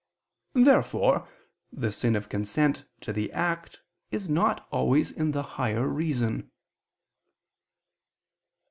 Therefore the sin of consent to the act is not always in the higher reason.